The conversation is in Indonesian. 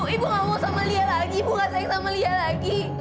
ibu gak mau sama liah lagi ibu gak sayang sama liah lagi